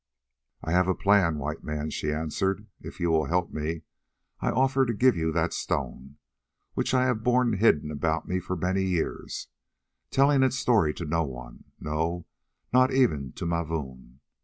"I have a plan, White Man," she answered. "If you will help me, I offer to give you that stone, which I have borne hidden about me for many years, tellings its story to none, no, not even to Mavoom.